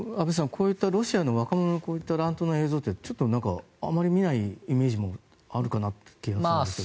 こういったロシアの若者のこういった乱闘の映像ってあまり見ないイメージもあるかなという気がするんですが。